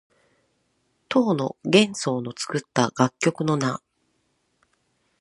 唐の玄宗の作った楽曲の名。